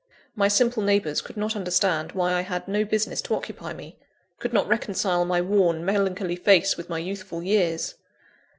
My simple neighbours could not understand why I had no business to occupy me; could not reconcile my worn, melancholy face with my youthful years.